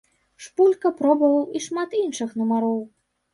Шпулька пробаваў і шмат іншых нумароў.